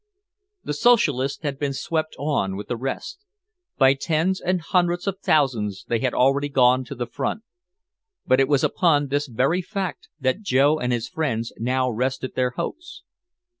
The socialists had been swept on with the rest. By tens and hundreds of thousands they had already gone to the front. But it was upon this very fact that Joe and his friends now rested their hopes.